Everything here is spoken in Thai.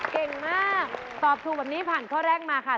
เก่งมากตอบถูกแบบนี้ผ่านข้อแรกมาค่ะ